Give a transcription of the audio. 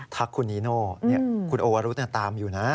คุณนีโน่คุณโอวรุธตามอยู่นะ